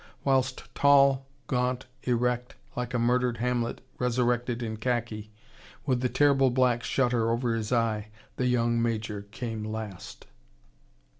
Whilst tall, gaunt, erect, like a murdered Hamlet resurrected in khaki, with the terrible black shutter over his eye, the young Major came last.